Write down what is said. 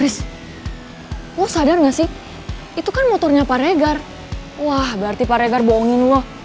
wah sadar nggak sih itu kan motornya pak regar wah berarti pak regar bohongin loh